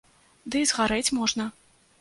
Ды і згарэць можна!